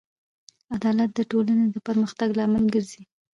عدالت د ټولنې د پرمختګ لامل ګرځي.